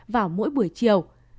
vào mỗi buổi chiều